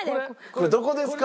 これどこですか？